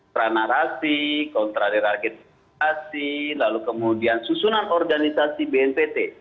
peran narasi kontra deradikalisasi lalu kemudian susunan organisasi bnpt